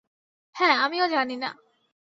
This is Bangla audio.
হ্যাঁ, আমিও জানি না।